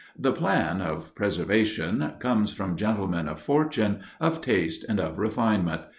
The plan [of preservation] comes from gentlemen of fortune, of taste, and of refinement....